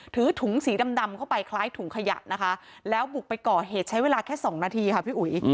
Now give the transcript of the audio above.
ถือถุงสีดำเข้าไปคล้ายถุงขยะนะคะแล้วบุกไปก่อเหตุใช้เวลาแค่สองนาทีค่ะพี่อุ๋ย